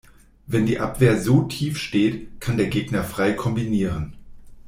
Wenn die Abwehr so tief steht, kann der Gegner frei kombinieren.